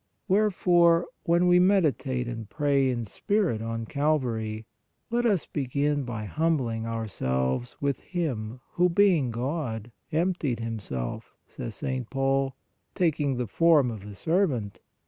Wherefore, when we meditate and pray in spirit on Calvary, let us begin by humbling ourselves with Him who, being God, " emptied Himself," says St. THE FOOT OF THE CROSS 195 Paul, " taking the form of a servant